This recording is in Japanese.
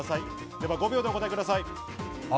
では５秒でお答えください。